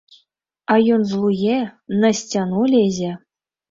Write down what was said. А ён злуе, на сцяну лезе.